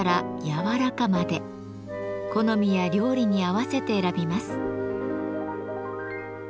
好みや料理に合わせて選びます。